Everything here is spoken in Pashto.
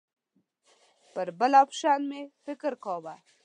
پر بل اپشن مې فکر کاوه.